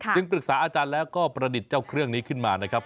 ปรึกษาอาจารย์แล้วก็ประดิษฐ์เจ้าเครื่องนี้ขึ้นมานะครับ